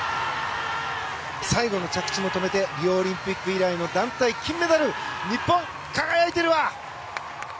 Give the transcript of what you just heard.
最後の着地も止めてリオオリンピック以来の団体金メダル日本、輝いてるわ！